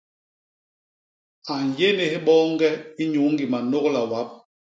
A nyénés boñge inyuu ñgi manôgla wap.